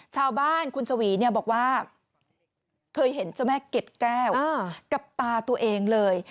ชาวบ้านคุณชวีเนี่ยบอกว่าเคยเห็นเจ้าแม่เก็ดแก้วกับตาตัวเองเลย